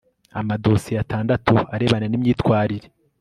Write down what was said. amadosiye atandatu arebana n imyitwarire